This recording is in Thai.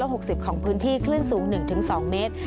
ฝนฟ้าขนองคลื่นสูง๑๒เมตร